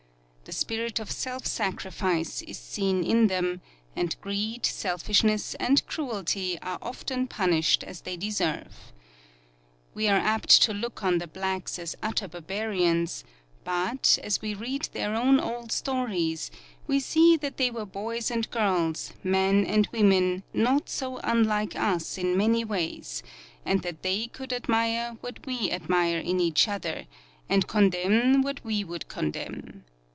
The spirit of self sacrifice is seen in them, and greed, selfishness and cruelty are often punished as they deserve. We are apt to look on the blacks as utter barbarians, but, as we read their own old stories, we see that they were boys and girls, men and women, not so unlike us in many ways, and that they could admire what we admire in each other, and condemn what we would condemn.